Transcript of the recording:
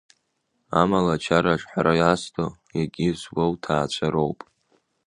Амала ачара аҽҳәара азҭо, иагьызуа уҭаацәа роуп.